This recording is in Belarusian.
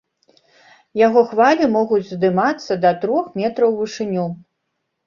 Яго хвалі могуць уздымацца да трох метраў у вышыню.